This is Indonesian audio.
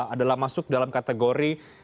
adalah masuk dalam kategori